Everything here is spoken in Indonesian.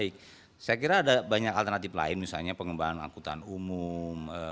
saya kira ada banyak alternatif lain misalnya pengembangan angkutan umum